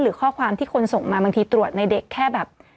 ข้อความที่คนส่งมาบางทีตรวจในเด็กแค่แบบ